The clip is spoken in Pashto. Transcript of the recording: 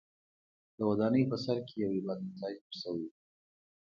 د ودانۍ په سر کې یو عبادت ځای جوړ شوی و.